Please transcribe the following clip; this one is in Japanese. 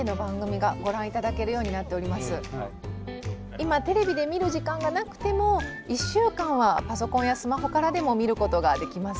今テレビで見る時間がなくても１週間はパソコンやスマホからでも見ることができます。